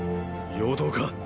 陽動か？